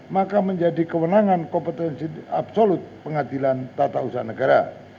maka menjadi kewenangan kompetensi absolut pengadilan tata usaha negara